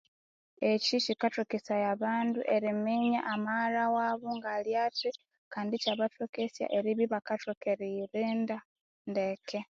Eki kikathokesaya abndu eriminya amaghalha wabo ngalyathi kand ikyabathokesya erbya ibakathoka eriyirinda ndeke